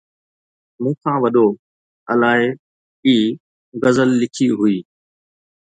مون کان وڏو! الائي ئي غزل لکي هئي